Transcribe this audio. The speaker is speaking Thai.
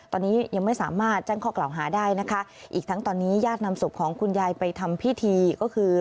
ตอนนี้ยังไม่สามารถแจ้งข้อกล่าวหาได้นะคะอีกทั้งตอนนี้ญาตินำศพของคุณยายไปทำพิธีก็คือ